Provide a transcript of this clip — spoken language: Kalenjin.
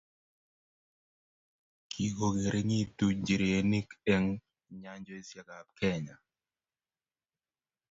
Kikongeringitu njirenik eng nyanjosiekab Kenya